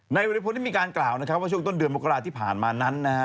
บริพลได้มีการกล่าวนะครับว่าช่วงต้นเดือนมกราที่ผ่านมานั้นนะฮะ